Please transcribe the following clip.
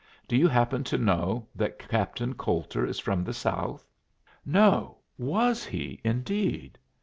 Do you happen to know that Captain Coulter is from the South?" "No; was he, indeed?"